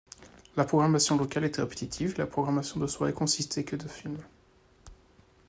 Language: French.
La programmation locale était répétitive et la programmation de soirée consistait que de films.